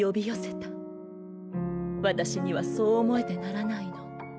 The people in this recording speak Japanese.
私にはそう思えてならないの。